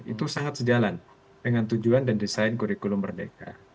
itu sangat sejalan dengan tujuan dan desain kurikulum merdeka